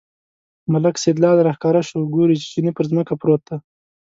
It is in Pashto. ملک سیدلال راښکاره شو، ګوري چې چیني پر ځمکه پروت دی.